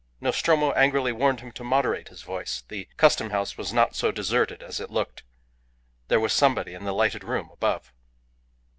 Nostromo angrily warned him to moderate his voice. The Custom House was not so deserted as it looked. There was somebody in the lighted room above.